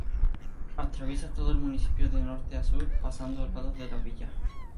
Atraviesa todo el municipio de norte a sur pasando al lado de la villa.